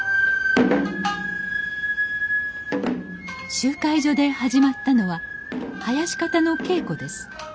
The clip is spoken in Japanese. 集会所で始まったのは囃子方の稽古です。